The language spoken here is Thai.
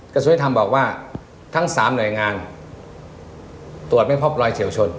กระทรวงธรรมบอกว่าทั้งสามหน่วยงานตรวจไม่พบรอยเฉียวชน